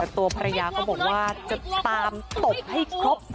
ตัวภรรยาก็บอกว่าจะตามตบให้ครบ